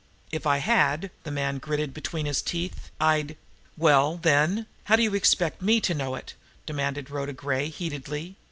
"If I had," the man gritted between his teeth, "I'd " "Well, then, how did you expect me to know it?" demanded Rhoda Gray heatedly.